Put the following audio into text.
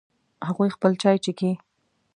هغوی خپل چای څښي